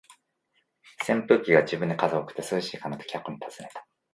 扇風機が自分で風を送って、「涼しいかな？」と客に尋ねた。